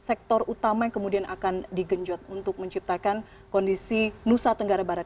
sektor utama yang kemudian akan digenjot untuk menciptakan kondisi nusa tenggara barat